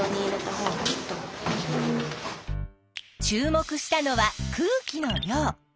注目したのは空気の量。